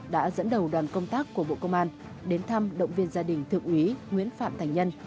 đã dẫn đầu đoàn công tác của bộ công an đến thăm động viên gia đình thượng úy nguyễn phạm thành nhân